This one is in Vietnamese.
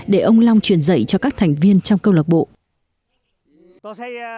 để ông long truyền dạy cho các thành viên trong câu lạc bộ